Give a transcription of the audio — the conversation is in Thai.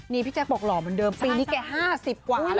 นี่พี่แจ๊คบอกหล่อเหมือนเดิมปีนี้แก๕๐กว่าแล้ว